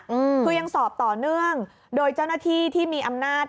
อืมคือยังสอบต่อเนื่องโดยเจ้าหน้าที่ที่มีอำนาจ